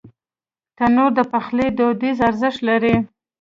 تنور د پخلي دودیز ارزښت لري